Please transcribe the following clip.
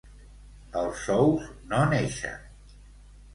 Els sous no neixen.